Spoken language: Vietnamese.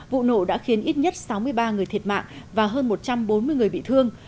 vụ nổ đã khiến ít nhất sáu mươi ba người thiệt mạng và hơn một trăm bốn mươi người bị thương